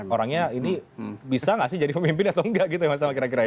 orangnya ini bisa nggak sih jadi pemimpin atau enggak gitu ya mas tama kira kira ya